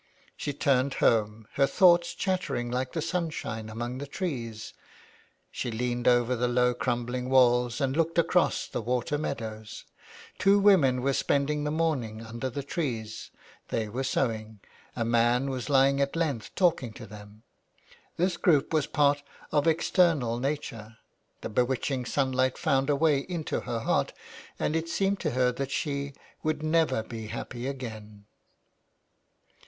She turned home, her thoughts chattering like the sunshine among the trees ; she leaned over the low, crumbling walls and looked across the water meadows. Two women were spending the morning under the trees ; they were sewing. A man was lying at length talking to them. This group was part of external nature. The bewitching sunlight found a way into her heart, and it seemed to her that she would never be happy again.